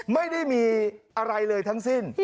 ไม่ได้มีอะไรเลยทั้งสิ้น